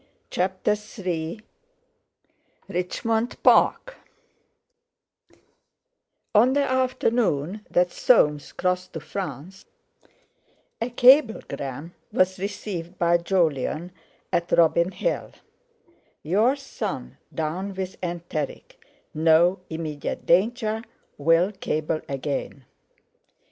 CHAPTER III RICHMOND PARK On the afternoon that Soames crossed to France a cablegram was received by Jolyon at Robin Hill: "Your son down with enteric no immediate danger will cable again."